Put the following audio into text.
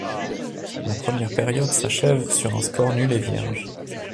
La première période s'achève sur un score nul et vierge.